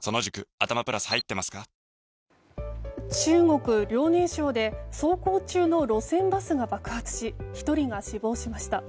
中国・遼寧省で走行中の路線バスが爆発し１人が死亡しました。